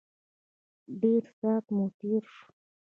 ډېر سات مو تېر شو.